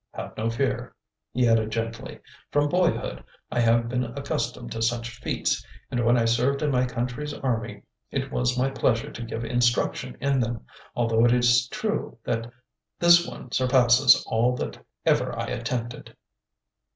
Have no fear," he added gently, "from boyhood I have been accustomed to such feats, and when I served in my country's army it was my pleasure to give instruction in them, although it is true that this one surpasses all that ever I attempted."